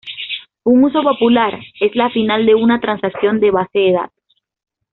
Un uso popular es al final de una transacción de base de datos.